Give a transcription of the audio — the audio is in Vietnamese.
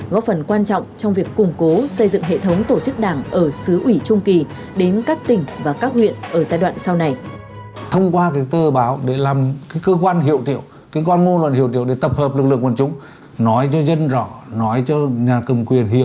góp phần quan trọng trong việc củng cố xây dựng hệ thống tổ chức đảng ở xứ ủy trung kỳ đến các tỉnh và các huyện ở giai đoạn sau này